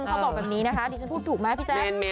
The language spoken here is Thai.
เขาบอกแบบนี้นะคะดิฉันพูดถูกไหมพี่แจ๊ค